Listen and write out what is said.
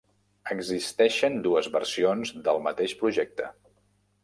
Existeixen dues versions del mateix projecte.